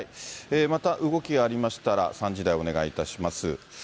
また動きがありましたら、３時台、お願いいたします。